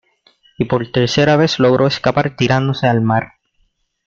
Y por tercera vez logró escapar tirándose al mar.